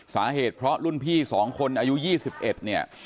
สาเหตุเพราะรุ่นพี่๒คนอายุ๒๑เนี่ย